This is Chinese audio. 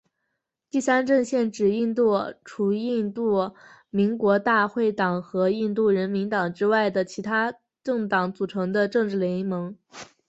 第三阵线指印度除印度国民大会党和印度人民党之外的其它政党组成的政治联盟。